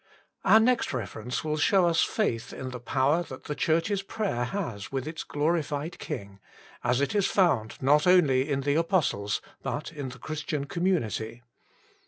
Our next reference will show us faith in the power that the Church s prayer has with its glorified King, as it is found, not only in the apostles, but in the Christian community.